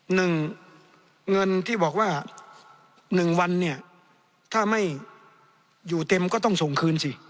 หนึ่งเงินที่บอกว่าหนึ่งวันเนี่ยถ้าไม่อยู่เต็มก็ต้องส่งคืนสิ